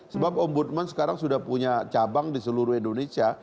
sebab ombudsman sekarang sudah punya cabang di seluruh indonesia